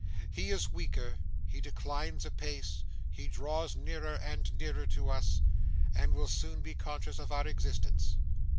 'He is weaker, he declines apace, he draws nearer and nearer to us, and will soon be conscious of our existence.